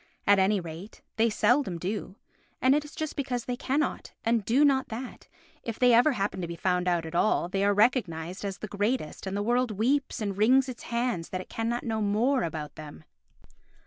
At any rate, they seldom do, and it is just because they cannot and do not that, if they ever happen to be found out at all, they are recognised as the greatest and the world weeps and wrings its hands that it cannot know more about them.